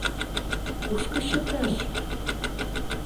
Кушко чыкаш?